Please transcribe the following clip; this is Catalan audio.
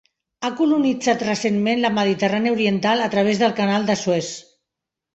Ha colonitzat recentment la Mediterrània oriental a través del Canal de Suez.